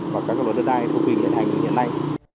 và các luật đất đai phục hình hiện hành đến hiện nay